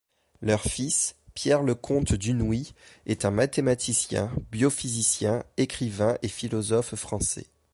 Leur fils, Pierre Lecomte du Nouÿ est un mathématicien, biophysicien, écrivain et philosophe français.